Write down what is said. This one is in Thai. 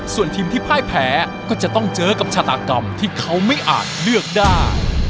ส่วนทีมที่พ่ายแพ้ก็จะต้องเจอกับชาตากรรมที่เขาไม่อาจเลือกได้